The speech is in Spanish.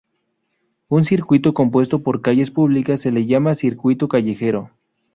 Un circuito compuesto por calles públicas se le llama circuito callejero.